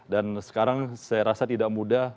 dan sekarang saya rasa tidak mudah